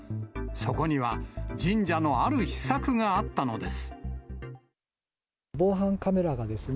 そこには、神社のある秘策があったのです。